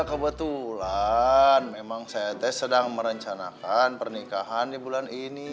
kebetulan memang saya sedang merencanakan pernikahan di bulan ini